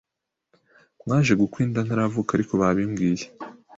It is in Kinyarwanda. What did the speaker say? mwaje gukwa inda ntaravuka ariko babimbwiye